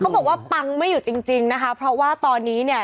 บอกว่าปังไม่หยุดจริงจริงนะคะเพราะว่าตอนนี้เนี่ย